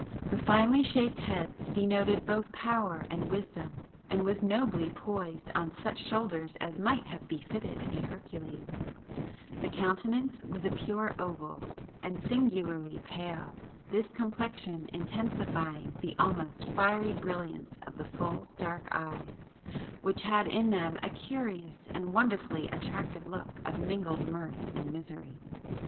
The finely shaped head denoted both power and wisdom, and was nobly poised on such shoulders as might have befitted a Hercules,—the countenance was a pure oval, and singularly pale, this complexion intensifying the almost fiery brilliancy of the full dark eyes, which had in them a curious and wonderfully attractive look of mingled mirth and misery.